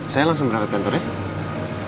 saya langsung berangkat kantor ya